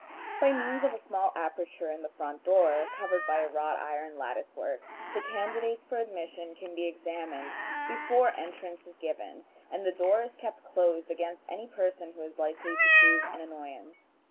By means of a small aperture in the front door, covered by a wrought iron lattice work, the candidates for admission can be examined before entrance is given, and the door is kept closed against any person who is likely to prove an annoyance.